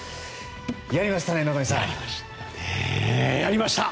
やりましたね、野上さん！やりました！